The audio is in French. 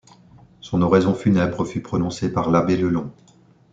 Son oraison funèbre fut prononcé par l'abbé Lelong.